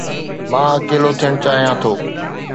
مان اڪيلو ٿيڻ چاهيان ٿو